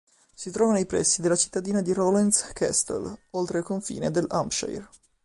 Si trova nei pressi della cittadina di Rowlands Castle, oltre il confine del Hampshire.